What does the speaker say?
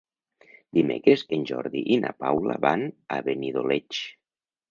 Dimecres en Jordi i na Paula van a Benidoleig.